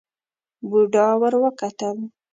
بوډا ور وکتل.